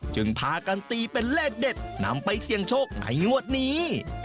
พากันตีเป็นเลขเด็ดนำไปเสี่ยงโชคในงวดนี้